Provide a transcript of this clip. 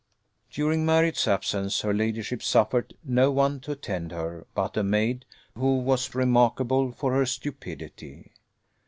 During Marriott's absence, her ladyship suffered no one to attend her but a maid who was remarkable for her stupidity.